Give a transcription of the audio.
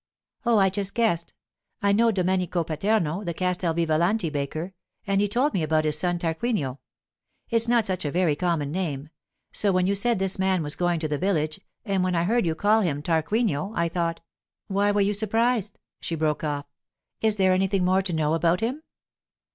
'Oh, I just guessed. I know Domenico Paterno, the Castel Vivalanti baker, and he told me about his son, Tarquinio. It's not such a very common name; so when you said this man was going to the village, and when I heard you call him Tarquinio, I thought—why were you surprised?' she broke off. 'Is there anything more to know about him?